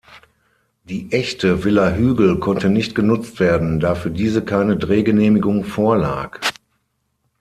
Die echte Villa Hügel konnte nicht genutzt werden, da für diese keine Drehgenehmigung vorlag.